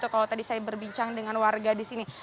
kalau tadi saya berbincang dengan warga di sini